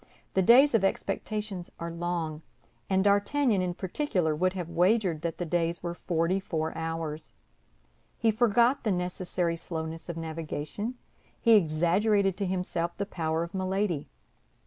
The days of expectation are long, and D'Artagnan, in particular, would have wagered that the days were forty four hours. He forgot the necessary slowness of navigation; he exaggerated to himself the power of Milady.